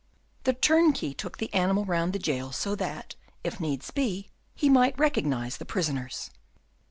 The turnkey took the animal round the jail, so that, if needs be, he might recognize the prisoners.